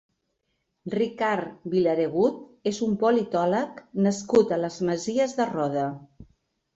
Ricard Vilaregut és un politòleg nascut a les Masies de Roda.